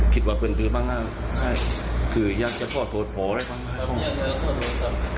คิดว่าเป็นคือบ้างนะคือยากจะพอโทษได้บ้าง